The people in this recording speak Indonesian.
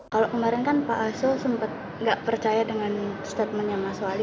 kalau kemarin kan pak hasso sempat nggak percaya dengan statementnya mas wali